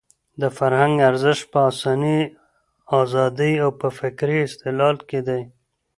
د فرهنګ ارزښت په انساني ازادۍ او په فکري استقلال کې دی.